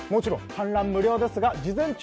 観覧無料ですが事前抽選制。